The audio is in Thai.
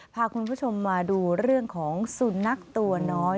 พาคุณผู้ชมมาดูเรื่องของสุนัขตัวน้อย